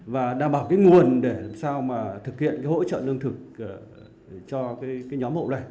và đảm bảo cái nguồn để làm sao mà thực hiện hỗ trợ lương thực cho nhóm hộ lệ